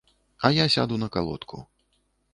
А я сяду на калодку.